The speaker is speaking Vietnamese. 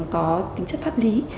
có tính chất pháp lý